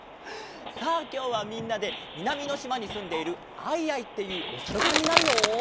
さあきょうはみんなでみなみのしまにすんでいる「アイアイ」っていうおさるさんになるよ。